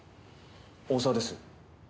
大沢です。